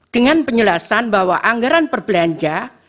dengan penjelasan bahwa anggaran perbelanja